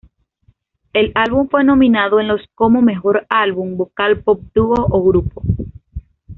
El álbum fue nominado en los como mejor álbum vocal pop dúo o grupo.